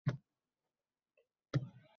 Uyimning eshigini taqillatib kelishdi